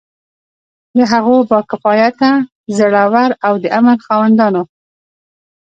د هغو با کفایته، زړه ور او د امر خاوندانو.